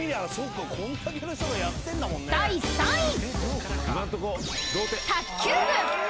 ［第３位］